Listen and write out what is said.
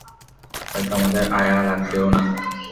হয়তো আমাদের আয়া লাগবেও না!